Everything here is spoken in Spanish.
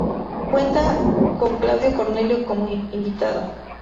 Cuentan con Claudio Cornelio como invitado.